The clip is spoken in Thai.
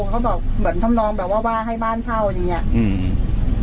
เขาบอกเหมือนทำนองแบบว่าว่าให้บ้านเช่าอย่างเงี้ยอืม